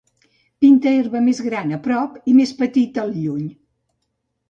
pinta herba més gran a prop i més petita al lluny